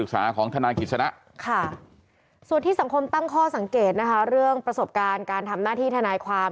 ส่วนที่สังคมตั้งข้อสังเกตนะคะเรื่องประสบการณ์การทำหน้าที่ทนายความ